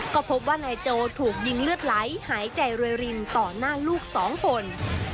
ก็พบว่านายโจถูกยิงเลือดไหลหายใจรวยรินต่อหน้าลูกสองคน